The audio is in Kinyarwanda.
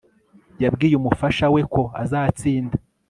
Yabwiye umufasha we ko azatsinda